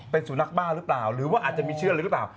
เป็นสุนัขบ้าหรือเปล่าหรือว่าอาจจะมีเชื้อเลยหรือเปล่า